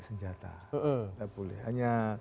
senjata enggak boleh hanya